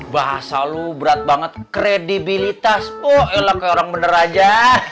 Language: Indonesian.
bahasa lu berat banget kredibilitas oh elok ke orang bener aja